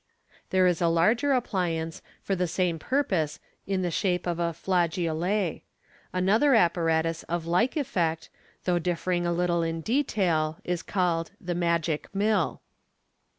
There is a larger appliance for the same purpose in the shape of a flageolet. Another apparatus of like effect, though differing a little in detail, is called The Magic Mill.